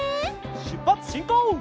しゅっぱつしんこう！